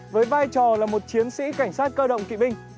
với vai trò là một chiến sĩ cảnh sát cơ động kỵ binh